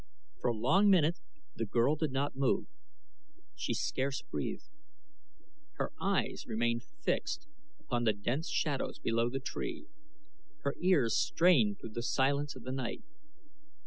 For a long minute the girl did not move she scarce breathed. Her eyes remained fixed upon the dense shadows below the tree, her ears strained through the silence of the night.